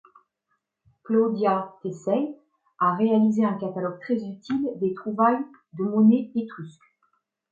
Claudia Tesei a réalisé un catalogue très utile des trouvailles de monnaie étrusque.